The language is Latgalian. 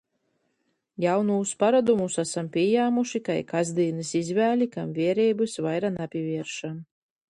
Jaunūs parodumus asam pījāmuši kai kasdīnys izvēli, kam viereibys vaira napīvieršam.